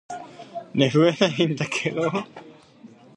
Missing widgets can be added via plugins.